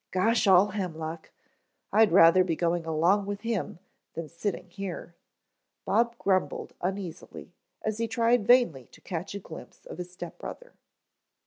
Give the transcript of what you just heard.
"Gosh all hemlock, I'd rather be going along with him than sitting here," Bob grumbled uneasily as he tried vainly to catch a glimpse of his step brother.